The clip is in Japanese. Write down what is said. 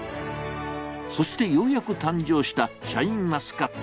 そして、ようやく誕生したシャインマスカット。